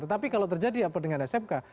tetapi kalau terjadi apa dengan smk